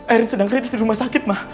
erin sedang kritis di rumah sakit ma